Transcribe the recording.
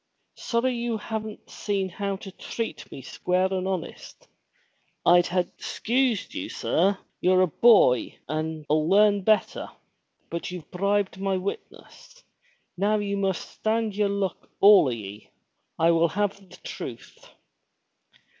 Sorry you haven't seen how to treat me square and honest! I'd ha' 'sensed you, sir. You're a boy and '11 learn better. But you've bribed my witness. Now you must stand yer luck, all o' ye. I will have the truth!"